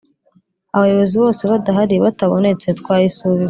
Abayobozi bose badahari batabonetse twayisubika